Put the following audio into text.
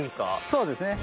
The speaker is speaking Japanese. そうですね。